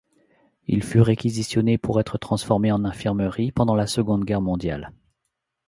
Il fut réquisitionné pour être transformé en infirmerie pendant la Seconde Guerre mondiale.